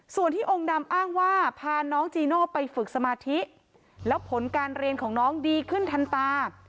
ส่วนที่องค์ดำอ้างว่าพาน้องจีโน่ไปฝึกสมาธิแล้วผลการเรียนของน้องดีขึ้นทันตา